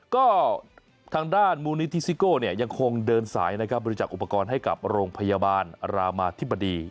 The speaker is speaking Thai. ก็ทางด้านมูลนิธิซิโก้เนี่ยยังคงเดินสายนะครับบริจักษ์อุปกรณ์ให้กับโรงพยาบาลรามาธิบดี